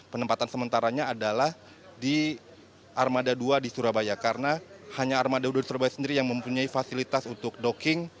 penempatan sementaranya adalah di armada dua di surabaya karena hanya armada surabaya sendiri yang mempunyai fasilitas untuk docking